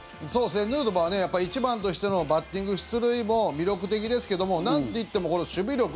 ヌートバーは１番としてのバッティング出塁も魅力的ですけどなんと言ってもこの守備力。